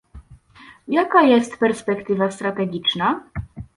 Jaka jest perspektywa strategiczna?